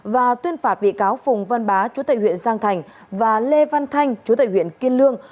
và tuyên phạt bị cáo phùng văn bá chủ tịch huyện giang thành và lê văn thanh chủ tịch huyện kiên lương